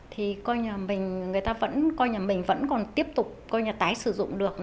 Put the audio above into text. thì coi như là người ta vẫn coi như là mình vẫn còn tiếp tục coi như là tái sử dụng được